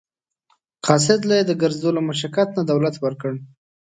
قاصد له یې د ګرځېدو له مشقت نه دولت ورکړ.